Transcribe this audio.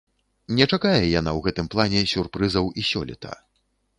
Не чакае яна ў гэтым плане сюрпрызаў і сёлета.